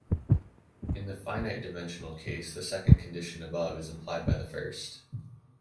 In the finite-dimensional case, the second condition above is implied by the first.